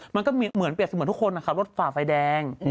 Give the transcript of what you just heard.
มันก็เหมือนเปรียบเสมือนทุกคนนะครับรถฝ่าไฟแดง